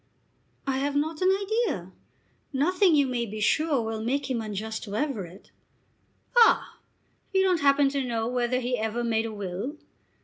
"I have not an idea. Nothing you may be sure will make him unjust to Everett." "Ah! You don't happen to know whether he ever made a will?"